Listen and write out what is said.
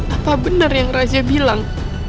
apa benar yang raja bilang